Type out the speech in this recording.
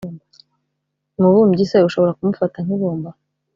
Umubumbyi se ushobora kumufata nk’ibumba ?